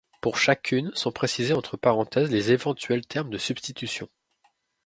Pour chacune sont précisés entre parenthèses les éventuels termes de substitution.